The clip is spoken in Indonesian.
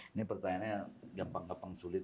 ini pertanyaannya gampang gampang sulit